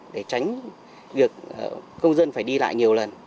để tránh việc công dân phải đi lại nhiều lần